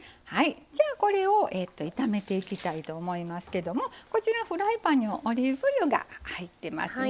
じゃあこれを炒めていきたいと思いますけどもこちらフライパンにオリーブ油が入ってますね。